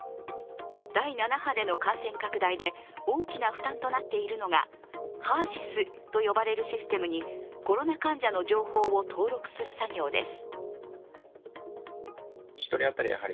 第７波での感染拡大で大きな負担となっているのがＨＥＲ−ＳＹＳと呼ばれるシステムにコロナ患者の情報を登録する作業です。